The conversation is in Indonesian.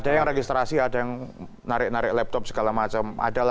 ada yang registrasi ada yang narik narik laptop segala macam